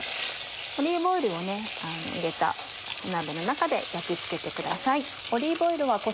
オリーブオイルを入れた鍋の中で焼きつけてください。